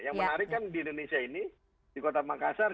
yang menarik kan di indonesia ini di kota makassar